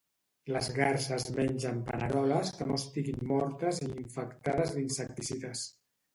Les garses mengen paneroles que no estiguin mortes i infectades d'insecticides